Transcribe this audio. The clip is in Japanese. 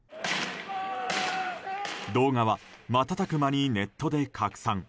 動画は、瞬く間にネットで拡散。